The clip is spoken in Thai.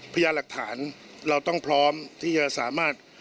พยายามหลักฐานเราต้องพร้อมที่จะสามารถ